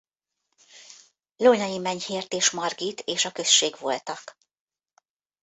Lónyay Menyhért és Margit és a község voltak.